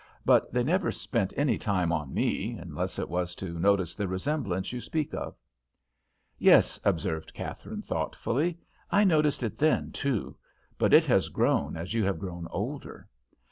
But they never spent any time on me, unless it was to notice the resemblance you speak of." "Yes," observed Katharine, thoughtfully, "I noticed it then, too; but it has grown as you have grown older.